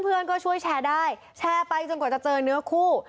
เพื่อนก็ช่วยแชร์ได้แชร์ไปจนกว่าจะเจอเนื้อคู่